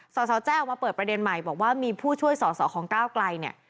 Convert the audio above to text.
สสแจ้ออกมาเปิดประเด็นใหม่บอกว่ามีผู้ช่วยสอสอของก้าวไกลเนี่ย